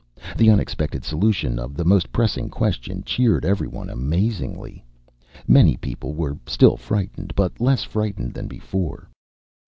The unexpected solution of the most pressing question cheered every one amazingly. Many people were still frightened, but less frightened than before.